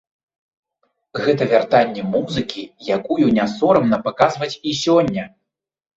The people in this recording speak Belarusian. Гэта вяртанне музыкі, якую не сорамна паказваць і сёння.